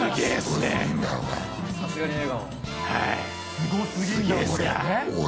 すごすぎる。